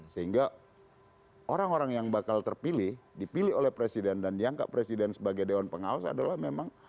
sehingga orang orang yang bakal terpilih dipilih oleh presiden dan diangkat presiden sebagai dewan pengawas adalah memang